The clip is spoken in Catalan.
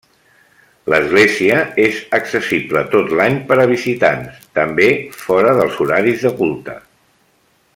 L'església és accessible tot l'any per a visitants, també fora dels horaris de culte.